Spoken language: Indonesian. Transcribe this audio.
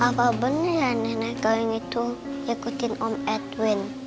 apa bener ya nenek nenek gawing itu ikutin om edwin